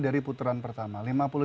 dari putaran pertama